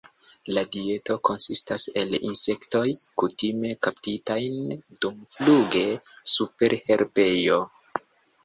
La dieto konsistas el insektoj, kutime kaptitajn dumfluge super herbejo.